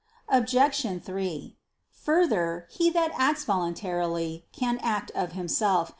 Obj. 3: Further, he that acts voluntarily, can act of himself.